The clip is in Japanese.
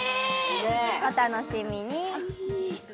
お楽しみに。